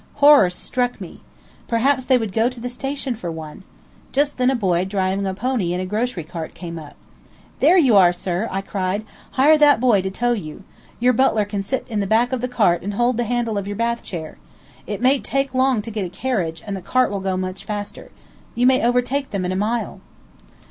Horror struck me. Perhaps they would go to the station for one! Just then a boy driving a pony and a grocery cart came up. "There you are, sir," I cried. "Hire that boy to tow you. Your butler can sit in the back of the cart and hold the handle of your bath chair. It may take long to get a carriage, and the cart will go much faster. You may overtake them in a mile."